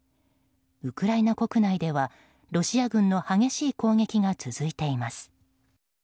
ウクライナ国内では、ロシア軍の激しい攻撃が続いています。